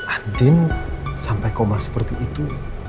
adin sampai koma seperti itu